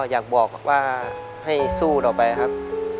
อยากบอกว่าให้สู้ต่อไปครับ